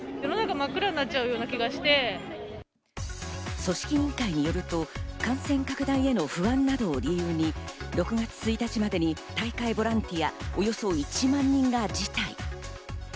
組織委員会によると、感染拡大への不安などを理由に６月１日までに大会ボランティア、およそ１万人が辞退。